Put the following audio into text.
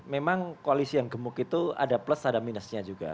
memang koalisi yang gemuk itu ada plus ada minusnya juga